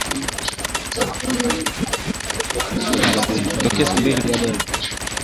Kifo kwa ugonjwa wa mapafu hutokea tokea siku mbili baada ya dalili za awali